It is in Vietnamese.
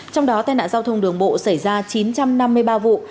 trong đó tai nạn giao thông đường bộ xảy ra chín trăm năm mươi ba vụ